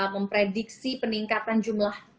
memprediksi peningkatan jumlah